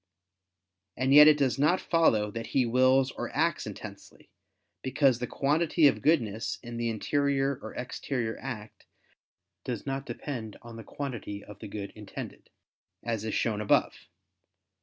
And yet it does not follow that he wills or acts intensely; because the quantity of goodness in the interior or exterior act does not depend on the quantity of the good intended, as is shown above.